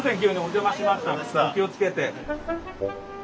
お気をつけて。